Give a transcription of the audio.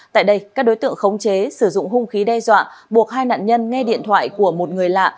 tại đây các đối tượng khống chế sử dụng hung khí đe dọa buộc hai nạn nhân nghe điện thoại của một người lạ